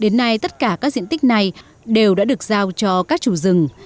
đến nay tất cả các diện tích này đều đã được giao cho các chủ rừng